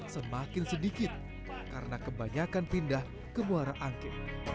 semakin sedikit karena kebanyakan pindah ke muara angke